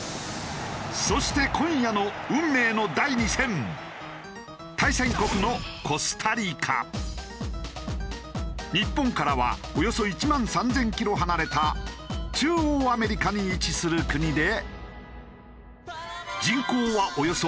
そして対戦国の日本からはおよそ１万３０００キロ離れた中央アメリカに位置する国で。